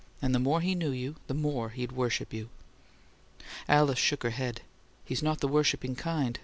"And the more he knew you, the more he'd worship you." Alice shook her head. "He's not the worshiping kind.